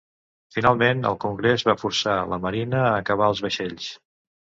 Finalment, el Congrés va forçar la Marina a acabar els vaixells.